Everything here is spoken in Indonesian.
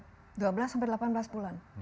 dua belas sampai delapan belas bulan